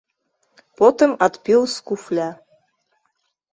Потым адпіў з куфля.